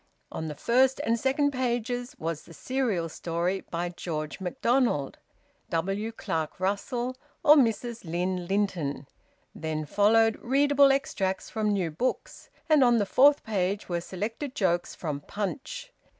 On the first and second pages was the serial story, by George MacDonald, W. Clark Russell, or Mrs Lynn Linton; then followed readable extracts from new books, and on the fourth page were selected jokes from "Punch."